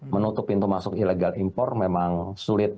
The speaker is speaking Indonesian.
menutup pintu masuk ilegal impor memang sulit